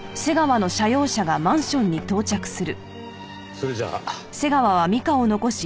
それじゃあ。